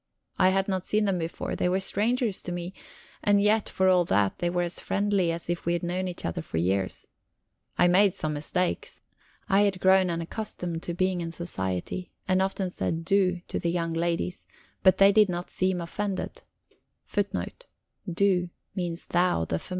I had not seen them before; they were strangers to me; and yet, for all that, they were as friendly as if we had known each other for years. I made some mistakes! I had grown unaccustomed to being in society, and often said "Du" [Footnote: "Du"=thou, the familiar form of address (tutoyer), instead of "De"=you.